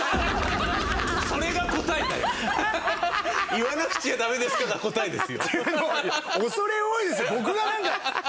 「言わなくちゃダメですか？」が答えですよ。